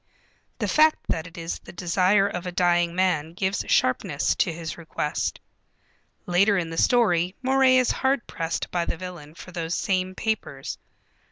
The fact that it is the desire of a dying man gives sharpness to his request. Later in the story Moray is hard pressed by the villain for those same papers.